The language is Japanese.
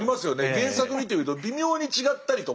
原作見てみると微妙に違ったりとか。